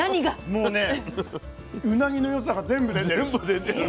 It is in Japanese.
もうねうなぎの良さが全部出てる。